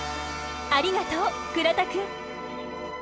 ありがとう倉田くん。